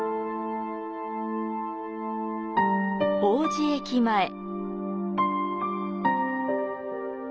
王子駅前。